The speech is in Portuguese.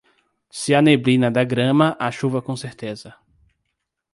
Se a neblina da grama, a chuva com certeza.